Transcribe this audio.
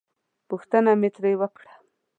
پوښتنه مې ترې وکړه.